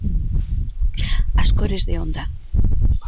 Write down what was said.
As cores de Honda.